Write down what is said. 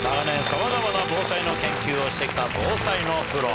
さまざまな防災の研究をして来た防災のプロ